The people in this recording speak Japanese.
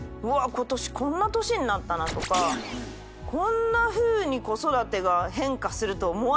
ことしこんな年になったなとかこんなふうに子育てが変化すると思わなかった。